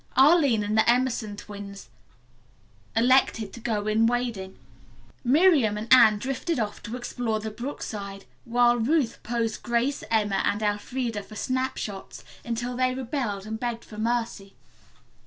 Arline and the Emerson twins elected to go in wading. Miriam and Anne drifted off to explore the brookside, while Ruth posed Grace, Emma and Elfreda for snapshots until they rebelled and begged for mercy.